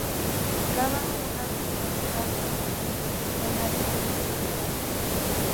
Cada una de estas cajas contiene una lista de criterios.